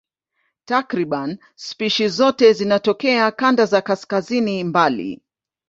Takriban spishi zote zinatokea kanda za kaskazini mbali.